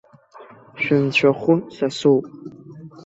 Шәынцәахәы са соуп!